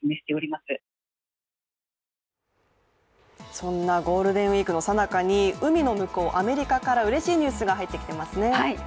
そんなゴールデンウイークのさなかに海の向こう、アメリカからうれしいニュースが入ってきていますね。